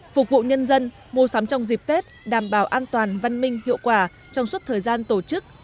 phục vụ nhân dân mua sắm trong dịp tết đảm bảo an toàn văn minh hiệu quả trong suốt thời gian tổ chức